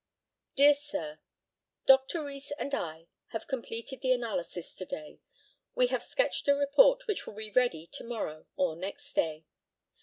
"Dear Sir, Dr. Rees and I have completed the analysis to day. We have sketched a report, which will be ready to morrow or next day.